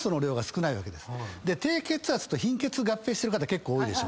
低血圧と貧血合併してる方結構多いでしょ。